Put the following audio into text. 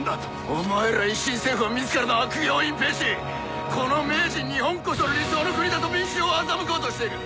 お前ら維新政府は自らの悪行を隠蔽しこの明治日本こそ理想の国だと民衆を欺こうとしている。